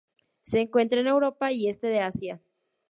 Se encuentra en Europa y Este de Asia.